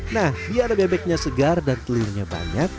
nah biar bebeknya segar dan telurnya banyak